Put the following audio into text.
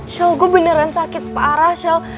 shal gue beneran sakit parah shal